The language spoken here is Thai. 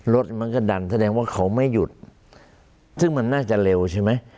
รถมันก็ดันแสดงว่าเขาไม่หยุดซึ่งมันน่าจะเร็วใช่ไหม